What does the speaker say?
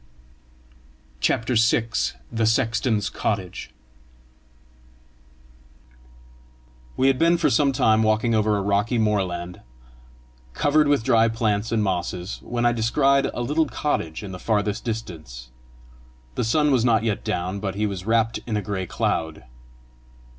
CHAPTER VI. THE SEXTON'S COTTAGE We had been for some time walking over a rocky moorland covered with dry plants and mosses, when I descried a little cottage in the farthest distance. The sun was not yet down, but he was wrapt in a gray cloud.